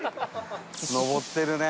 上ってるね。